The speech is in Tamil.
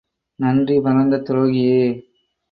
நன்றி மறந்த துரோகியே!